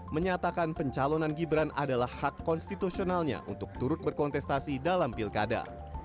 menyatakan pencalonan gibran adalah hak konstitusionalnya untuk turut berkontestasi dalam pilkada